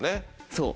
そう。